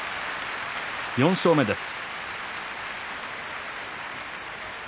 ４勝目です。